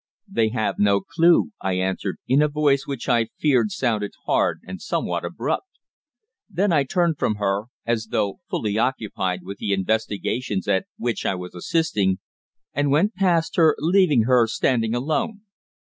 "They have no clue," I answered, in a voice which I fear sounded hard and somewhat abrupt. Then I turned from her, as though fully occupied with the investigations at which I was assisting, and went past her, leaving her standing alone.